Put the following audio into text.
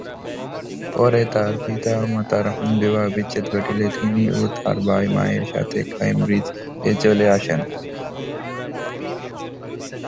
পরে তার পিতামাতার বিবাহবিচ্ছেদ ঘটলে তিনি ও তার ভাই মায়ের সাথে কেমব্রিজে চলে আসেন।